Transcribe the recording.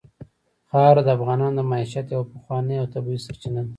خاوره د افغانانو د معیشت یوه پخوانۍ او طبیعي سرچینه ده.